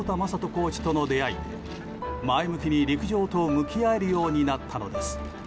コーチとの出会いで前向きに陸上と向き合えるようになったのです。